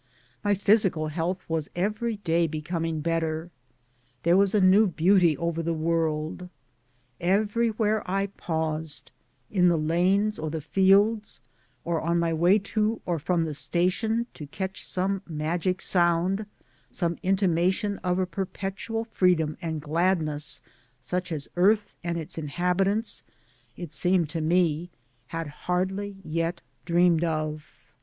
My physical health was every day becoming better. There was a new beauty over the world. Everywhere I paused, in the lanes or the fields, or on my way to or from the station, to catch some magic sound, some intima tion of a perpetual freedom and gladness such as earth and its inhabitants (it seemed to me) had hardly yet dreamed of.